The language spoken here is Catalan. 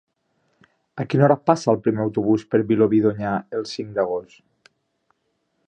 A quina hora passa el primer autobús per Vilobí d'Onyar el cinc d'agost?